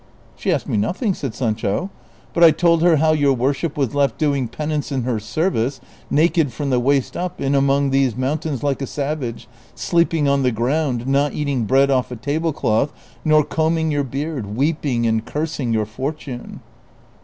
" She asked me nothing," said Sancho ;" but I told her how your worship was left doing penance in her service, naked from "the waist up, in among these mountains like a savage, sleeping on the ground, not eating bread off a tablecloth nor combing your beard, weeping and cursing your fortune."